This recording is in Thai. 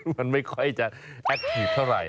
มันไม่ค่อยจะแอคทีฟเท่าไหร่